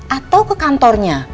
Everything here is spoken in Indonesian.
atau ke kantornya